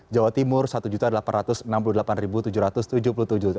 jawa timur satu juta delapan ratus enam puluh delapan ribu